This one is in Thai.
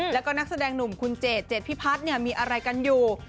แล้วก็นักแสดงหนุ่มคุณเจดเจดพิพัฒน์มีอะไรกันอยู่